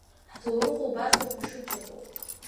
Ҳҭоурых убас ауп ишычаԥоу.